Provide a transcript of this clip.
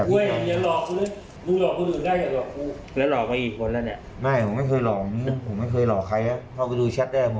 ผมเพื่อเป็นนักสตร์ตอนแล้วผมเคล็ดรังกายให้ผมได้ผ่าน